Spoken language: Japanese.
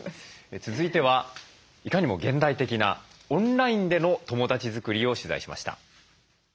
続いてはいかにも現代的なオンラインでの友だち作りを取材しました。